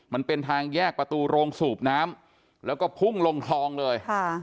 มันเป็นทางแยกประตูโรงสูบน้ำแล้วก็พุ่งลงคลองเลย